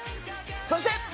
そして。